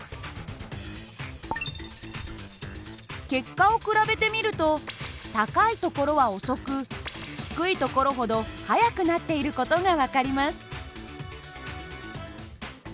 結果を比べてみると高い所は遅く低い所ほど速くなっている事が分かります。